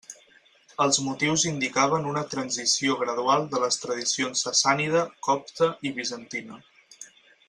Els motius indicaven una transició gradual de les tradicions sassànida, copta i bizantina.